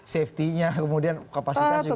safety nya kemudian kapasitas juga